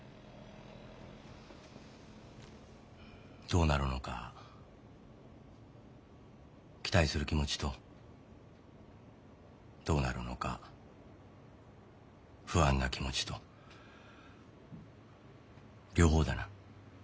どうなるのか期待する気持ちとどうなるのか不安な気持ちと両方だな。